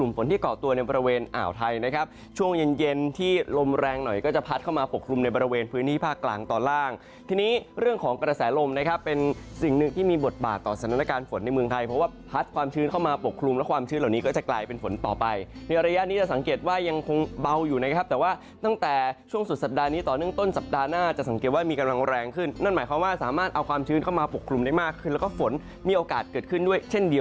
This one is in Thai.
เมืองไทยเพราะว่าพัดความชื้นเข้ามาปกคลุมและความชื้นเหล่านี้ก็จะกลายเป็นฝนต่อไปในระยะนี้จะสังเกตว่ายังคงเบาอยู่นะครับแต่ว่าตั้งแต่ช่วงสุดสัปดาห์นี้ต่อเนื่องต้นสัปดาห์หน้าจะสังเกตว่ามีกำลังแรงขึ้นนั่นหมายความว่าสามารถเอาความชื้นเข้ามาปกคลุมได้มากขึ้นแล้วก็ฝนมีโอกาสเก